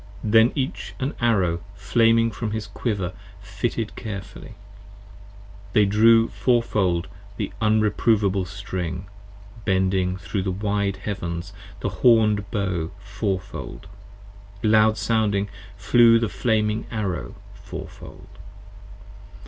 p. 98 THEN each an Arrow flaming from his Quiver fitted carefully: They drew fourfold the unreprovable String, bending thro' the wide Heavens The horned Bow Fourfold, loud sounding flew the flaming Arrow fourfold.